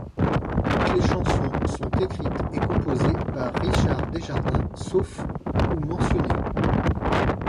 Toutes les chansons sont écrites et composées par Richard Desjardins, sauf où mentionné.